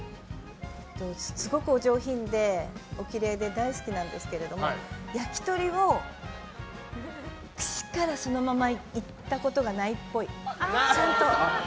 すごくお上品でおきれいで大好きなんですけど焼き鳥を串からそのままいったことがないっぽい。